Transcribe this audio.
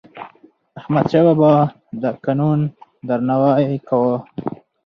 احمدشاه بابا د قانون درناوی کاوه.